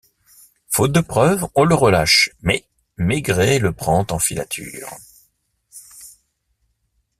Faute de preuves, on le relâche, mais Maigret le prend en filature.